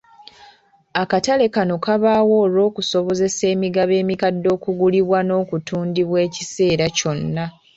Akatale kano kabaawo olw'okusobozesa emigabo emikadde okugulibwa n'okutundibwa ekiseera kyonna.